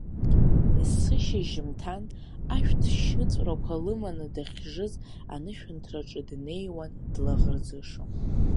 Есышьыжьымҭан ашәҭ шьыҵәрақәа лыманы дахьжыз анышәынҭраҿы днеиуан длаӷырӡышо.